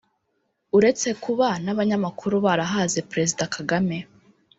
uretse kuba n’abanyamakuru barahaze Président Kagame